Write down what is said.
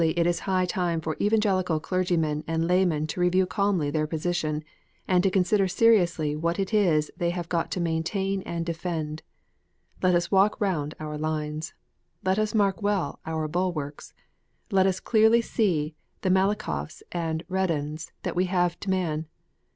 3 it is high time for Evangelical clergymen and laymen to review calmly their position, and to consider seriously what it is they have got to maintain and defend. Let us walk round our lines. Let us mark well our bulwarks. Let us clearly see the Malakhoffs and Redans that we have to man.